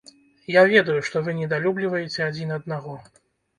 Я ведаю, што вы недалюбліваеце адзін аднаго.